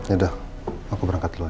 yaudah aku berangkat dulu